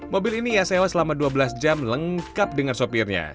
mobil ini ia sewa selama dua belas jam lengkap dengan sopirnya